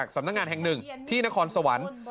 สำนักงานแห่งหนึ่งที่นครสวรรค์